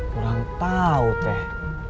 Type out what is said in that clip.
kurang tau teh